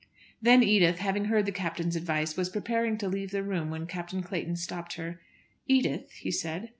Then Edith having heard the Captain's advice was preparing to leave the room when Captain Clayton stopped her. "Edith," he said.